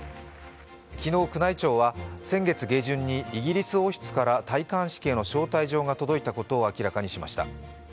昨日、宮内庁は先月下旬にイギリス王室から戴冠式への招待状が届いたことを明らかにしました。